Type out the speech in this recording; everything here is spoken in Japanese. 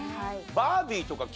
バービーとか。